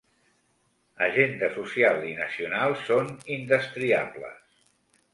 Agenda social i nacional són indestriables.